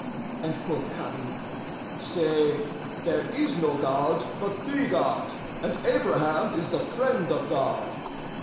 and quoth Gharib, "Say:—There is no god but the God, and Abraham is the Friend of God."